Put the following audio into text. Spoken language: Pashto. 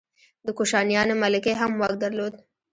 د کوشانیانو ملکې هم واک درلود